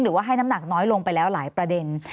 หรือว่าให้น้ำหนักน้อยลงไปแล้วหลายประเด็น